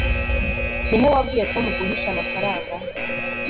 ni he wabwiye tom guhisha amafaranga